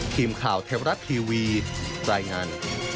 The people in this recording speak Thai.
ทีมข่าวเทวรัฐทีวีรายงาน